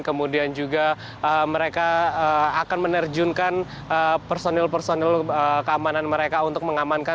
kemudian juga mereka akan menerjunkan personil personil keamanan mereka untuk mengamankan